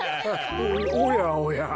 おやおや。